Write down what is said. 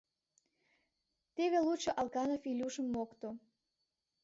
Теве лучо Акланов Илюшым мокто.